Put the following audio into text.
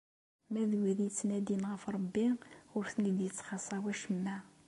Ma d wid yettnadin ɣef Rebbi, ur ten-ittxaṣṣa wacemma.